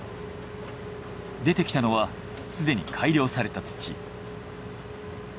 出てきたのはすでに改良された土。